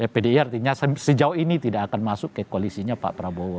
pdi artinya sejauh ini tidak akan masuk ke koalisinya pak prabowo